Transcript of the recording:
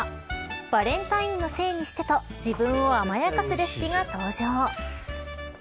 バレンタインのせいにしてと自分を甘やかすレシピが登場。